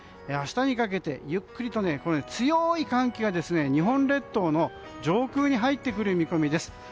明日にかけてゆっくりと強い寒気が日本列島の上空に入ってくる見込みです。